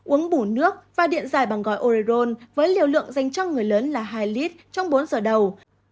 một uống bủ nước và điện dài bằng gói oreol với liều lượng dành cho người lớn là hai lít trong bốn giờ đầu